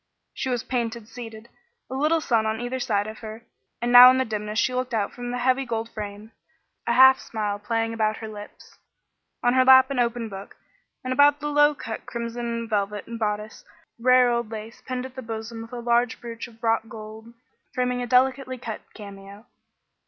She was painted seated, a little son on either side of her; and now in the dimness she looked out from the heavy gold frame, a half smile playing about her lips, on her lap an open book, and about the low cut crimson velvet bodice rare old lace pinned at the bosom with a large brooch of wrought gold, framing a delicately cut cameo.